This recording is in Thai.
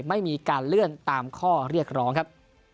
ไม่มีการเลื่อนตามข้อเรียกร้องครับ